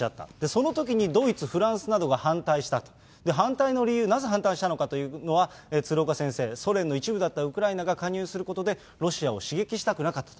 そのときにドイツ、フランスなどが反対したと、反対の理由、なぜ反対したのかというのは、鶴岡先生、ソ連の一部だったウクライナが加入することでロシアを刺激したくなかった。